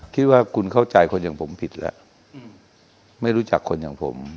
คิดว่าคุณเข้าใจคนอย่างผมผิดแล้วไม่รู้จักคนอย่างผม